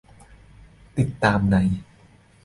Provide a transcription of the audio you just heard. ติดตามใน